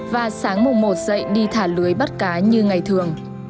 và sáng mùng một dậy đi thả lưới bắt cá như ngày thường